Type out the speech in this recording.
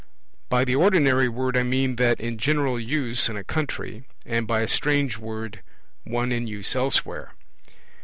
By the ordinary word I mean that in general use in a country; and by a strange word, one in use elsewhere.